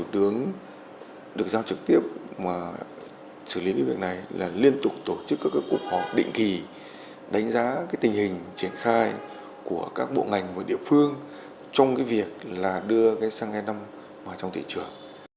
được giao trực tiếp xử lý việc này là liên tục tổ chức các cuộc họp định kỳ đánh giá tình hình triển khai của các bộ ngành và địa phương trong việc đưa xăng e năm vào trong thị trường